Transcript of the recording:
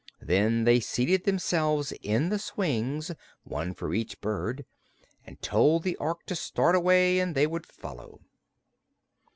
Then they seated themselves in the swings one for each bird and told the Ork to start away and they would follow.